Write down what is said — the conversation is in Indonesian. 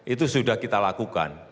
itu sudah kita lakukan